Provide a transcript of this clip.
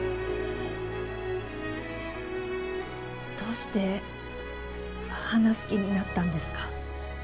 どうして話す気になったんですか？